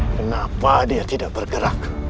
kenapa dia tidak bergerak